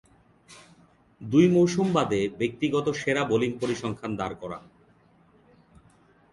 দুই মৌসুম বাদে ব্যক্তিগত সেরা বোলিং পরিসংখ্যান দাঁড় করান।